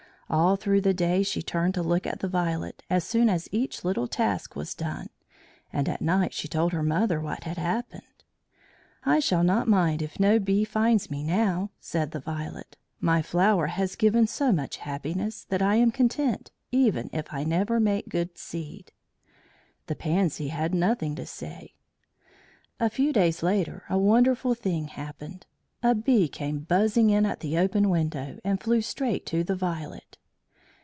All through the day she turned to look at the Violet as soon as each little task was done, and at night she told her mother what had happened. "I shall not mind if no bee finds me now," said the Violet. "My flower has given so much happiness that I am content, even if I never make good seed." The Pansy had nothing to say. A few days later a wonderful thing happened. A bee came buzzing in at the open window and flew straight to the Violet.